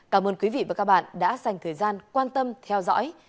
cảm ơn quý vị và các bạn đã dành thời gian quan tâm theo dõi